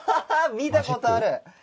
見たことある！